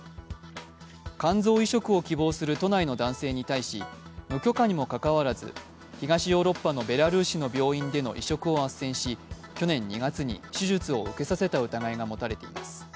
肝臓移植を希望する都内の男性に対し、無許可にもかかわらず東ヨーロッパのベラルーシの病院での移植をあっせんし去年２月に手術を受けさせた疑いが持たれています。